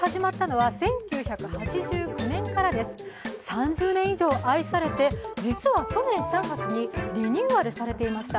３０年以上、愛されて、実は去年３月にリニューアルされていました。